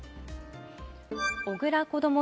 小倉こども